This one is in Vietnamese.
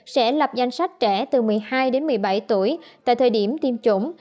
sẽ lập danh sách trẻ từ một mươi hai đến một mươi bảy tuổi tại thời điểm tiêm chủng